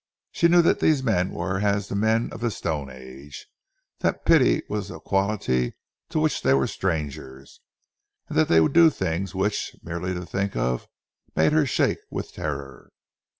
She knew that these men were as the men of the Stone Age, that pity was a quality to which they were strangers, and that they would do things which, merely to think of, made her shake with terror.